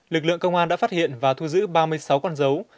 lực lượng công an đã phát hiện và thu giữ ba mươi sáu con dấu